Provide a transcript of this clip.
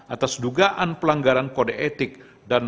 atas dugaan pelanggaran kode etik dan perilaku hakim terlapor